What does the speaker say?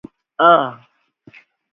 Ugh!